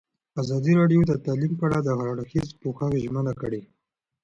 ازادي راډیو د تعلیم په اړه د هر اړخیز پوښښ ژمنه کړې.